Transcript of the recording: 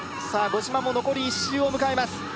五島も残り１周を迎えます